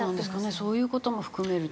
そういう事も含めると。